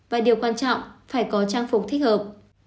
và điều quan trọng phải có trang phục thích hợp